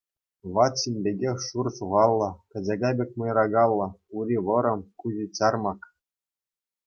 Ват ҫын пекех шур сухаллӑ, качака пек мӑйракаллӑ, ури вӑрӑм, куҫӗ чармак.